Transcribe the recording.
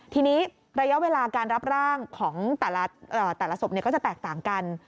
ทีนี้ระยะเวลาการรับร่างของแต่ละศพก็จะแตกต่างกัน